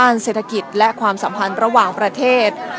เศรษฐกิจและความสัมพันธ์ระหว่างประเทศ